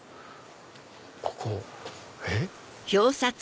ここえっ？